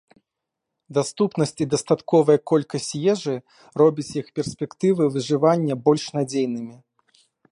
Даступнасць і дастатковая колькасць ежы робіць іх перспектывы выжывання больш надзейнымі.